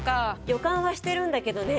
予感はしてるんだけどね。